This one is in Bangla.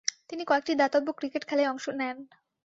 তিনি কয়েকটি দাতব্য ক্রিকেট খেলায় অংশ নেন।